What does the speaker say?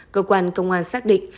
cơ quan công an xác định